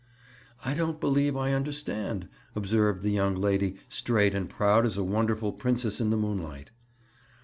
"I don't believe I understand," observed the young lady, straight and proud as a wonderful princess in the moonlight.